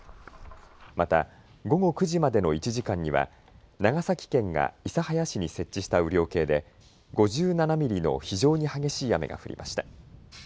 また、午後９時までの１時間には長崎県が諌早市に設置した雨量計で５７ミリの非常に激しい雨が降りました。